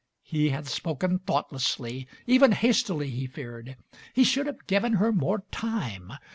He had spoken thoughtlessly, even hastily, he feared; he should have given her more time.